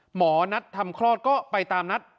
หมอนัดทำคลอดก็ไปตามนัด